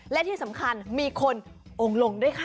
และที่สำคัญมีคนองค์ลงด้วยค่ะ